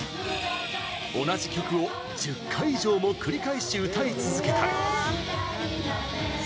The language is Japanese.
同じ曲を１０回以上も繰り返し歌い続けたり。